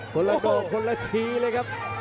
คนละดอกคนละทีเลยครับ